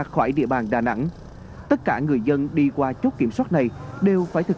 khỏi địa bàn đà nẵng tất cả người dân đi qua chốt kiểm soát này đều phải thực